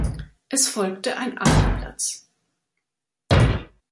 Es folgte ein achter Platz.